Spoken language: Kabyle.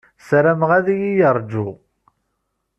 Ssarameɣ ad iyi-yeṛju.